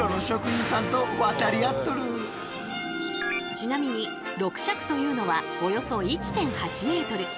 ちなみに６尺というのはおよそ１．８ｍ。